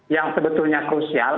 yang sebetulnya krusial